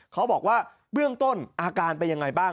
เขาบอกว่าเบื้องต้นอาการเป็นยังไงบ้าง